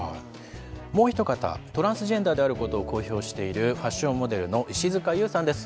もう一方トランスジェンダーであることを公表しているファッションモデルのイシヅカユウさんです。